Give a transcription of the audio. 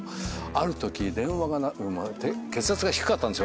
あるとき電話が血圧が低かったんです